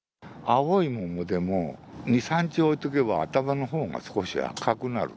青い桃でも、２、３日置いておけば、頭のほうが少し赤くなる。